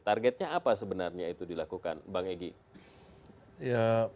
targetnya apa sebenarnya itu dilakukan bang egy